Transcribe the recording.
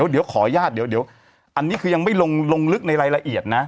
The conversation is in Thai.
เดี๋ยวขออนุญาตเดี๋ยวอันนี้คือยังไม่ลงลึกในรายละเอียดนะ